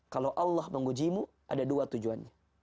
kalau allah mengujimu ada dua tujuannya